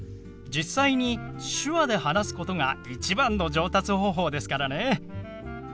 実際に手話で話すことが一番の上達方法ですからね。